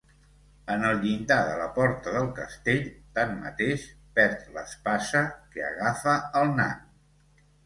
En el llindar de la porta del castell, tanmateix, perd l'espasa, que agafa el nan.